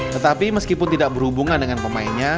tetapi meskipun tidak berhubungan dengan pemainnya